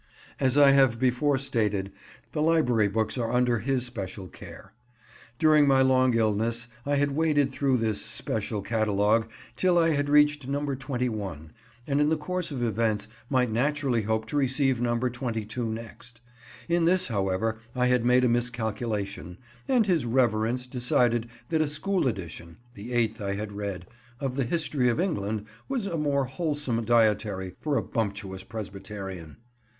As I have before stated, the library books are under his special care. During my long illness I had waded through this "special" catalogue till I had reached number 21, and in the course of events might naturally hope to receive number 22 next. In this, however, I had made a miscalculation, and his Reverence decided that a school edition (the eighth I had read) of the History of England was a more wholesome dietary for a bumptious Presbyterian.